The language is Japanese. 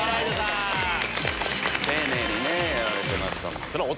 丁寧にやられてましたもん。